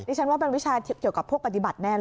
ฉันว่าเป็นวิชาเกี่ยวกับพวกปฏิบัติแน่เลย